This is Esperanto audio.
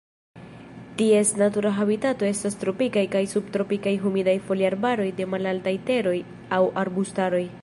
Ties natura habitato estas tropikaj kaj subtropikaj humidaj foliarbaroj de malaltaj teroj aŭ arbustaroj.